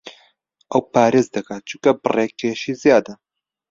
ئەو پارێز دەکات چونکە بڕێک کێشی زیادە.